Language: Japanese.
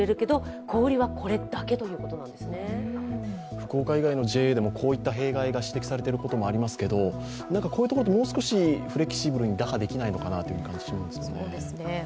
福岡以外でのＪＡでもこういった弊害が指摘されていますけどこういうところってもう少しフレキシブルに打破できないものでしょうか。